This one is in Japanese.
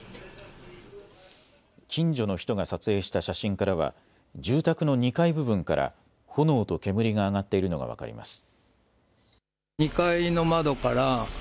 近所の人が撮影した写真からは住宅の２階部分から炎と煙が上がっているのが分かります。